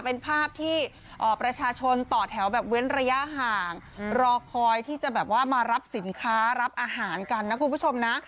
เป็นภาพที่ประชาชนต่อแถวแบบเว้นระยะห่างรอคอยที่จะแบบว่ามารับสินค้ารับอาหารกันนะคุณผู้ชมนะ